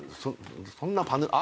そんなパネルあ